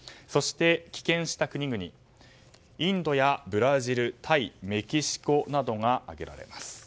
そして、棄権した国々はインドやブラジルタイ、メキシコなどが挙げられます。